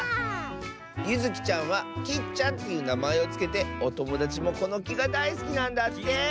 ゆずきちゃんは「きっちゃん」っていうなまえをつけておともだちもこのきがだいすきなんだって！